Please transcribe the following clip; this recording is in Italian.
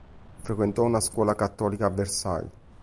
Frequentò una scuola cattolica a Versailles.